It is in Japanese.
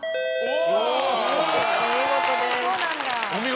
お見事です。